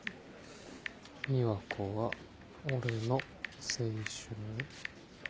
「美和子は俺の青春」。